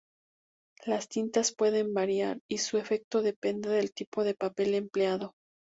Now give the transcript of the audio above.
Las tintas pueden variar y su efecto depende del tipo de papel empleado.